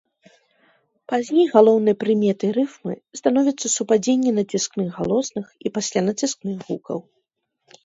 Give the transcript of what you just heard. Пазней галоўнай прыметай рыфмы становіцца супадзенне націскных галосных і паслянаціскных гукаў.